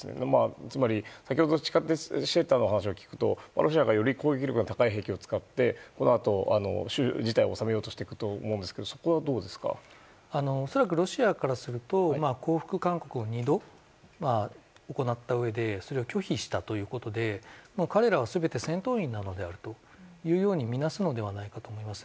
つまり先ほどの地下シェルターの話を聞くとロシアがより攻撃力の高い兵器を使ってこのあとの州自体を収めようとしていくと思うんですけども恐らくロシアからすると降伏勧告を２度行ったうえでそれを拒否したということで彼らは全て戦闘員であるとみなすのではないかと思います。